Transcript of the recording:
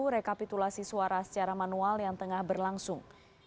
rekapitulasi suara secara manual yang tengah berlangsung